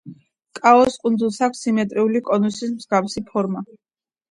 კაოს კუნძულს აქვს სიმეტრიული კონუსის მსგავსი ფორმა.